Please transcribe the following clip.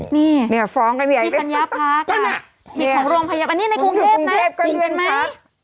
นี่พี่ธัญญาพักษ์ค่ะชิดของโรงพยาบาลอันนี้ในกรุงเทพนะเป็นเรื่องไหม